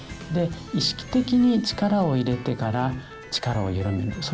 で意識的に力を入れてから力をゆるめる。